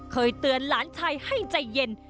เคยเตือนหลานชายให้ใจเย็น